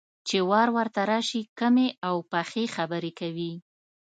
چې وار ورته راشي، کمې او پخې خبرې کوي.